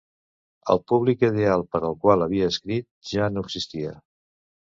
El públic ideal per al qual havia escrit ja no existia.